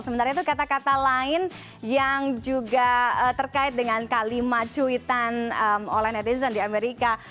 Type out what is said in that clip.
sementara itu kata kata lain yang juga terkait dengan kalimat cuitan oleh netizen di amerika